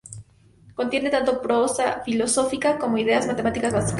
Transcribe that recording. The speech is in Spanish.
Contiene tanto prosa filosófica como ideas matemáticas básicas.